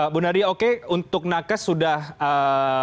bu nadya oke untuk nakes sudah apa